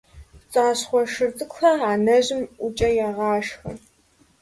ПцӀащхъуэ шыр цӀыкӀухэр анэжьым ӀукӀэ егъашхэ.